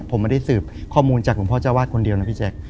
ผมไม่ได้สืบข้อมูลจากหลวงพ่อเจ้าวาดคนเดียวนะพี่แจ๊ค